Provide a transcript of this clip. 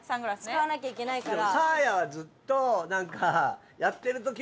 使わなきゃいけないから。